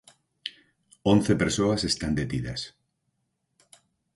Once persoas están detidas.